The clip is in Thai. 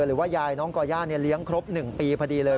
หรือว่ายายน้องก่อย่าเลี้ยงครบ๑ปีพอดีเลย